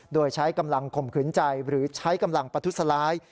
โดยใช้กำลังข่มขืนใจหรือใช้กำลังประทุษร้าย